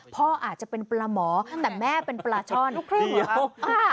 พ่ออาจจะเป็นปลาหมอแต่แม่เป็นปลาช่อนลูกครึ่งเหรอ